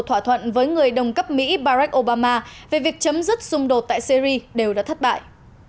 thỏa thuận với người đồng cấp mỹ barack obama về việc chấm dứt xung đột tại syri đều đã thất bại